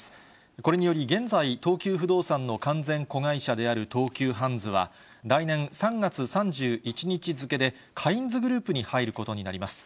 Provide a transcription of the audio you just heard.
これにより、現在、東急不動産の完全子会社である東急ハンズは、来年３月３１日付でカインズグループに入ることになります。